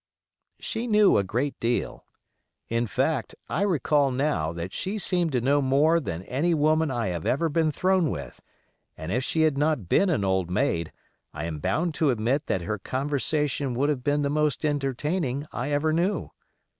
She knew a great deal. In fact, I recall now that she seemed to know more than any woman I have ever been thrown with, and if she had not been an old maid, I am bound to admit that her conversation would have been the most entertaining I ever knew.